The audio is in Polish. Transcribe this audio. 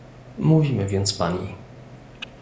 Mówimy więc pani